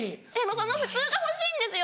その普通が欲しいんですよ